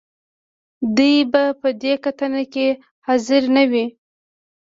دې به په دې کتنه کې حاضر نه وي.